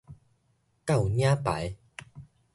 甲有領牌